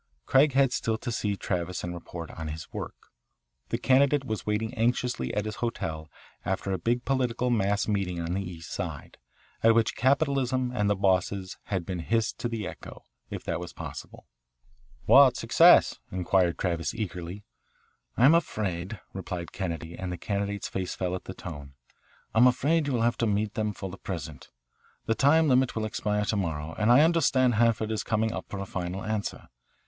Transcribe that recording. Craig had still to see Travis and report on his work. The candidate was waiting anxiously at his hotel after a big political mass meeting on the East Side, at which capitalism and the bosses had been hissed to the echo, if that is possible. "'What success?" inquired Travis eagerly. "I'm afraid," replied Kennedy, and the candidate's face fell at the tone, "I'm afraid you will have to meet them, for the present. The time limit will expire to morrow, and I understand Hanford is coming up for a final answer.